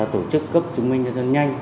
tổ chức cấp chứng minh nhân dân nhanh